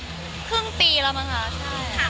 มันเหมือนกับมันเหมือนกับมันเหมือนกับ